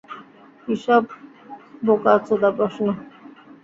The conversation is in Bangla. কি সব বোকাচোদা প্রশ্ন!